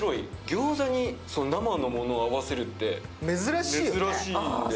ギョーザに生のものを合わせるって珍しいので。